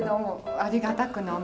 ありがたく飲む。